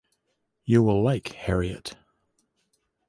You will like Harriet.